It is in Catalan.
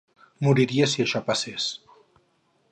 Moriria si això passés.